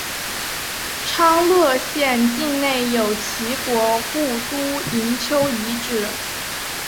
昌乐县境内有齐国故都营丘遗址。